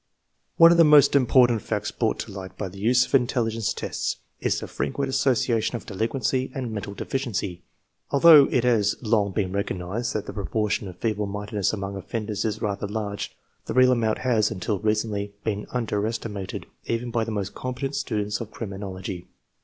One of the most im portant facts brought to light by the use of intelligence tests is the frequent association of delinquency and mental deficiency. Although it has long been recognized that the proportion of feeble mindedness among offenders is rather large, the real amount has, until recently, been underesti mated even by the most competent students of criminology.